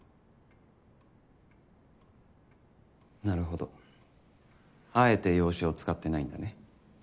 なるほどあえて洋酒を使ってないんだね。